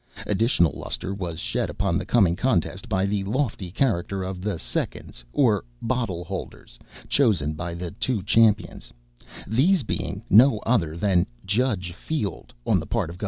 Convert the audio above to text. Additional lustre was shed upon the coming contest by the lofty character of the seconds or bottle holders chosen by the two champions, these being no other than Judge Field (on the part of Gov.